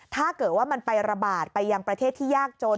ถ้าเกิดว่ามันไประบาดไปยังประเทศที่ยากจน